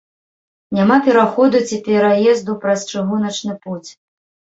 Няма пераходу ці пераезду праз чыгуначны пуць.